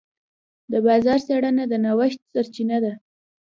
د بازار څېړنه د نوښت سرچینه ده.